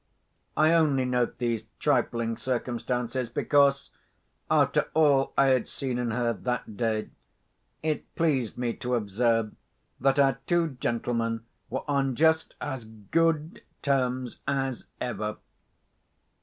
I only note these trifling circumstances, because, after all I had seen and heard, that day, it pleased me to observe that our two gentlemen were on just as good terms as ever.